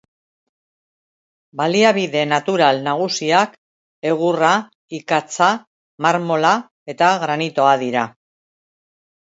Baliabide natural nagusiak egurra, ikatza, marmola eta granitoa dira.